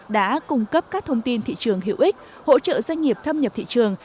đã cung cấp các thông tin thị trường hữu ích hỗ trợ doanh nghiệp thâm nhập thị trường